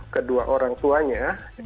ke dua orang tuanya